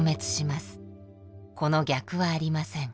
この逆はありません。